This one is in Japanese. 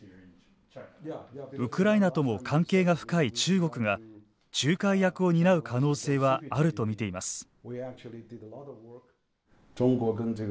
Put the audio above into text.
ウクライナとも関係が深い中国が仲介役を担う可能性はあるとみています。